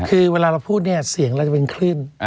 คือเวลาเราพูดเนี่ยเสียงเราจะเป็นคลื่น